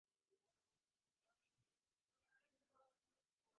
এরপর চুড়ান্ত মডেল পাওয়া গেলে সেটাই ক্লাইন্টকে ডেলিভার করা হয়।